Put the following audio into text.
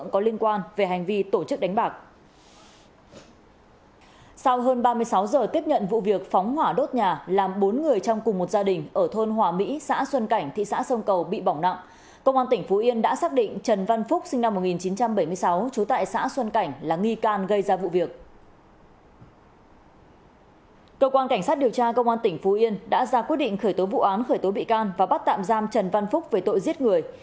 cơ quan cảnh sát điều tra công an tỉnh phú yên đã ra quyết định khởi tố vụ án khởi tố bị can và bắt tạm giam trần văn phúc về tội giết người